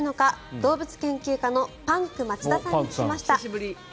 動物研究家のパンク町田さんに聞きました。